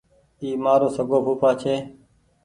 اي مآرو سگو ڦوڦآ ڇي